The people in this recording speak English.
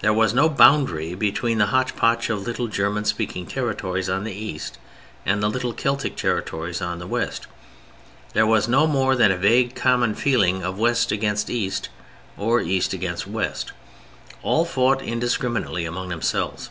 There was no boundary between the hotchpotch of little German speaking territories on the East and the little Celtic territories on the West. There was no more than a vague common feeling of West against East or East against West; all fought indiscriminately among themselves.